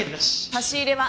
差し入れはなし。